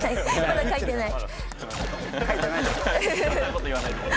まだ書いてない。